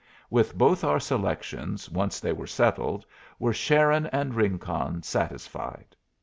With both our selections, once they were settled, were Sharon and Rincon satisfied.